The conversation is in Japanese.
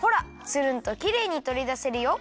つるんときれいにとりだせるよ。